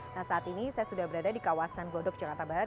nah saat ini saya sudah berada di kawasan godok jakarta barat